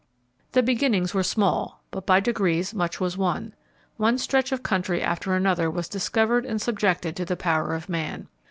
The beginnings were small, but by degrees much was won. One stretch of country after another was discovered and subjected to the power of man.